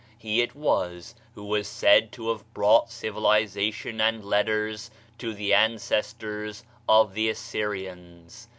He it was who was said to have brought civilization and letters to the ancestors of the Assyrians.